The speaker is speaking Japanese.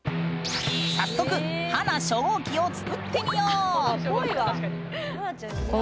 早速華初号機を作ってみよう！